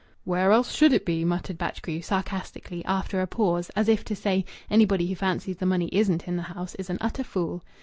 "Where else should it be?" muttered Batchgrew, sarcastically, after a pause, as if to say, "Anybody who fancies the money isn't in the house is an utter fool."